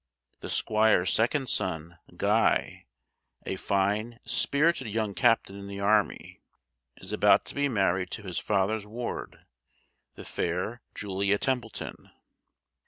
The squire's second son, Guy, a fine, spirited young captain in the army, is about to be married to his father's ward, the fair Julia Templeton.